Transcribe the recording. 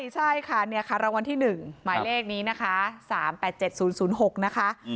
ใช่ค่ะเนี่ยค่ะรวรณที่๑หมายเลขนี้นะคะ๓๘๗๐๐๖นะคะ